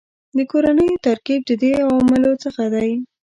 د کورنیو ترکیب د دې عواملو څخه دی